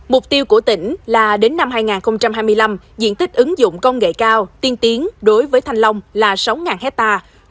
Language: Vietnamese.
mục tiêu của tỉnh là đến năm hai nghìn hai mươi năm diện tích ứng dụng công nghệ cao tiên tiến đối với thanh long là sáu hectare